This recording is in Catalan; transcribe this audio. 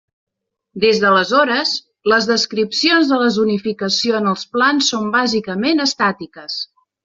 Des d'aleshores, les descripcions de la zonificació en els plans són bàsicament estàtiques.